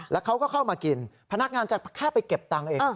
แล้วเขาก็เข้ามากินพนักงานจะแค่ไปเก็บตังค์เอง